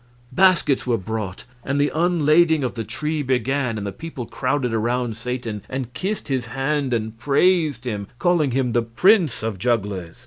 Baskets were brought, and the unlading of the tree began; and the people crowded around Satan and kissed his hand, and praised him, calling him the prince of jugglers.